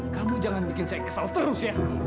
kamu jangan bikin saya kesal terus ya